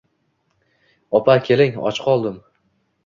Opa keling, och qoldim